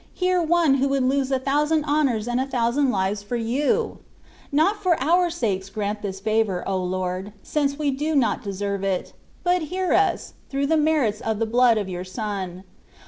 hear one who would lose a thousand honours and a thousand lives for You ? Not for our sakes grant this favour, O Lord ! since we dft. not deserve it : but hear us, through the meriti?^^'^ the blood of Your Son.